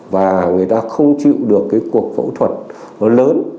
và người ta không chịu được cái cuộc phẫu thuật nó lớn